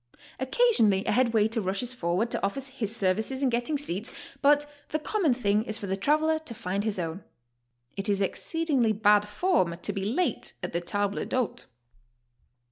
Occasionally a head waiter rushes forward to offer his services in getting seats, but the common thing is for the traveler to find his own. It is exceedingly bad form to be late at the table d'hote.